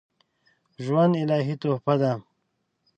ژوند الهي تحفه ده